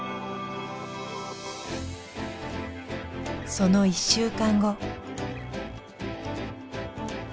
その１週間後。